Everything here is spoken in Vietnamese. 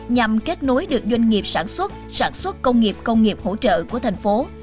nhằm kết nối được doanh nghiệp sản xuất sản xuất công nghiệp công nghiệp hỗ trợ của tp hcm